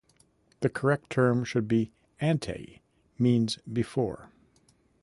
The correct term should be 'ante' means before.